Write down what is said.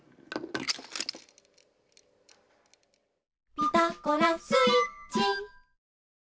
「ピタゴラスイッチ」